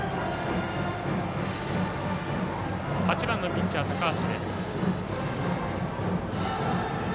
８番のピッチャー、高橋。